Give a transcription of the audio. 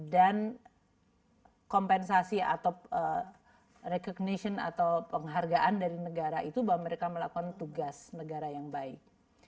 dan kompensasi atau recognition atau penghargaan dari negara itu bahwa mereka melakukan tugas negara yang baik